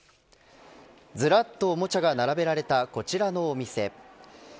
ずらっとおもちゃが並べられたこちらのお店。